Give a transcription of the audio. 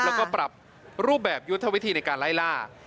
แล้วก็ปรับรูปแบบยุทธวิธีในการไล่ล่า